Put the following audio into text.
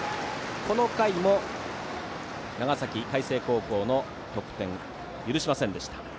この回も長崎・海星高校の得点許しませんでした。